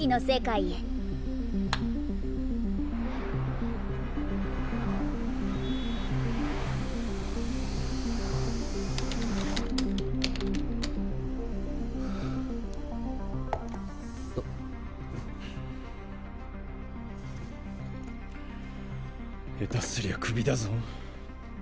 へたすりゃクビだぞ。